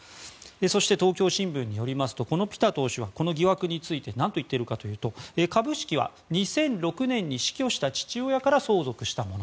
そして、東京新聞によりますとピタ党首はこの疑惑について何と言っているかというと株式は２００６年に死去した父親から相続したもの。